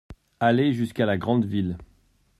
Aller jusqu’à la grande ville.